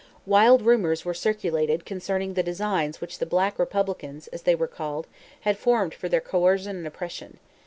Wild rumors were circulated concerning the designs which the "Black Republicans," as they were called, had formed for their coercion and oppression.